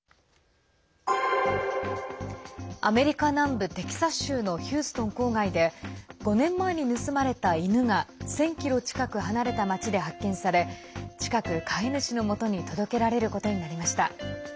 アメリカ南部テキサス州のヒューストン郊外で５年前に盗まれた犬が１０００ｋｍ近く離れた町で発見され、近く飼い主のもとに届けられることになりました。